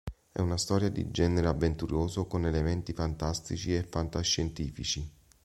È una storia di genere avventuroso con elementi fantastici e fantascientifici.